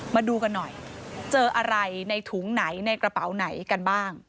มาดูกันหน่อยเจออะไรในถุงไหนในกระเป๋าไหนกันบ้าง